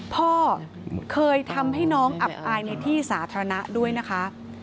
พ่อเคยทำให้น้องอับอายในที่สาธารณะด้วยนะคะ